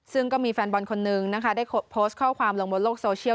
ซึ่งก็มีแฟนบอลคนนึงนะคะได้โพสต์ข้อความลงบนโลกโซเชียล